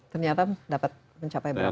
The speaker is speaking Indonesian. ternyata dapat mencapai berapa